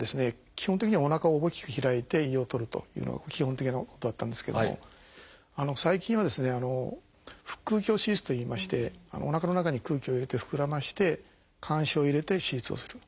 基本的にはおなかを大きく開いて胃を取るというのが基本的なことだったんですけども最近は腹腔鏡手術といいましておなかの中に空気を入れて膨らませて鉗子を入れて手術をする。